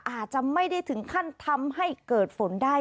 อาจจะไม่ได้ถึงขั้นทำให้เกิดฝนได้